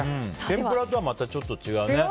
天ぷらとはまたちょっと違うね。